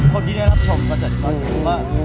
คนที่ได้รับชมก็จะรู้คือว่า